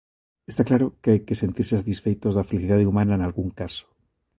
Está claro que hai que sentirse satisfeitos da felicidade humana nalgún caso.